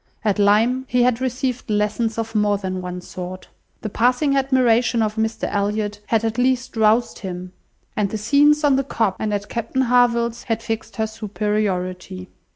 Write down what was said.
At Lyme, he had received lessons of more than one sort. The passing admiration of Mr Elliot had at least roused him, and the scenes on the Cobb and at Captain Harville's had fixed her superiority.